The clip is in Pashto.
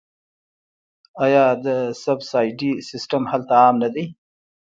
آیا د سبسایډي سیستم هلته عام نه دی؟